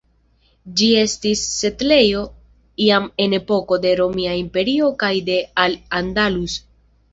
Ĝi estis setlejo jam en epoko de Romia Imperio kaj de Al-Andalus.